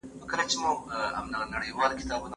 زه به سړو ته خواړه ورکړي وي!.